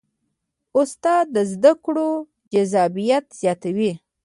استاد د زده کړو جذابیت زیاتوي.